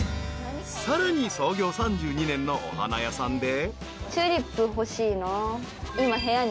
［さらに創業３２年のお花屋さんで］